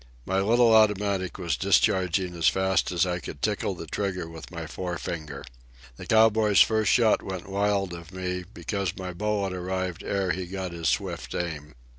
My little automatic was discharging as fast as I could tickle the trigger with my fore finger. The cowboy's first shot went wild of me, because my bullet arrived ere he got his swift aim.